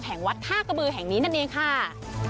วัดท่ากระบือแห่งนี้นั่นเองค่ะ